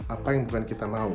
apa yang bukan kita mau